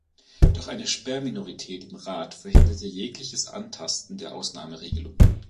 Doch eine Sperrminorität im Rat verhinderte jegliches Antasten der Ausnahmeregelung.